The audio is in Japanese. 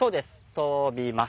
飛びます。